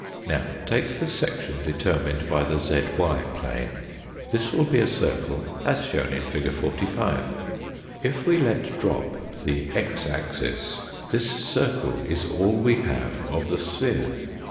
Now take the section determined by the zy plane. This will be a circle as shown in fig. 45. If we let drop the x axis, this circle is all we have of the sphere.